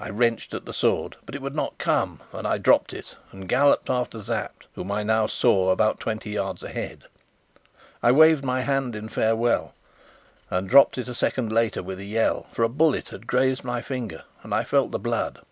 I wrenched at the sword, but it would not come, and I dropped it and galloped after Sapt, whom I now saw about twenty yards ahead. I waved my hand in farewell, and dropped it a second later with a yell, for a bullet had grazed my finger and I felt the blood.